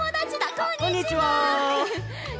こんにちは。